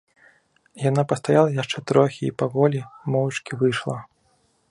Яна пастаяла яшчэ трохі і паволі, моўчкі выйшла.